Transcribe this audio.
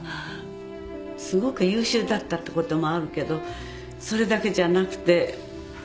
すごく優秀だったってこともあるけどそれだけじゃなくて。